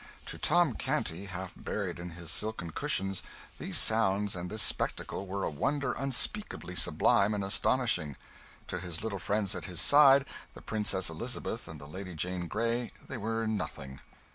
To Tom Canty, half buried in his silken cushions, these sounds and this spectacle were a wonder unspeakably sublime and astonishing. To his little friends at his side, the Princess Elizabeth and the Lady Jane Grey, they were nothing.